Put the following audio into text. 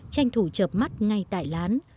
tranh thủ chợp mắt ngay tại lán